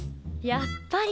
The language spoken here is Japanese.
やっぱり。